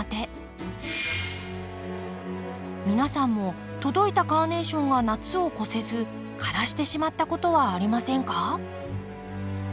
皆さんも届いたカーネーションが夏を越せず枯らしてしまったことはありませんか？